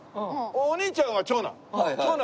お兄ちゃんは長男。